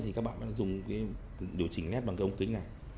thì các bạn phải dùng điều chỉnh nét bằng cái ống kính này